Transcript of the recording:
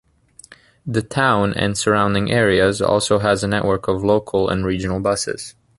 The town and surrounding areas also has a network of local and regional buses.